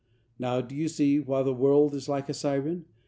Now, do you see why the world is like a siren?